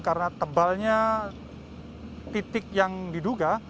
karena tebalnya titik yang diduga